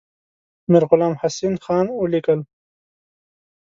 میرغلام حسین خان ولیکل.